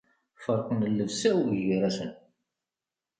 Ferqen llebsa-w gar-asen.